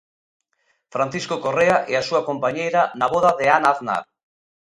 Francisco Correa e a súa compañeira na voda de Ana Aznar.